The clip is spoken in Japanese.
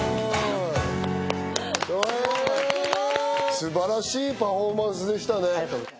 すばらしいパフォーマンスでしたね。